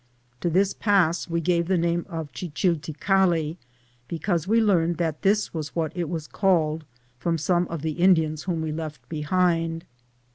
To this pass we gave the name of Chichilte Calli, because we learned that this was what it was called, from some Indians whom we left behind.